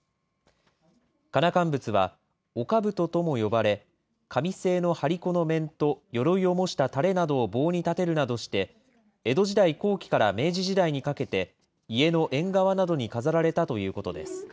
かなかんぶつは、おかぶととも呼ばれ、紙製の張り子の面とよろいを模したたれなどを棒に立てるなどして、江戸時代後期から明治時代にかけて、家の縁側などに飾られたということです。